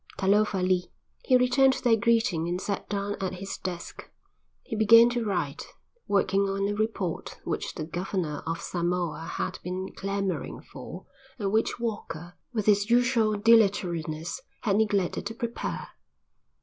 "Talofa li." He returned their greeting and sat down at his desk. He began to write, working on a report which the governor of Samoa had been clamouring for and which Walker, with his usual dilatoriness, had neglected to prepare.